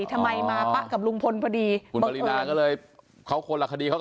ทำไมมาปะกับลุงพลพอดีคุณปรินาก็เลยเขาคนละคดีเขาก็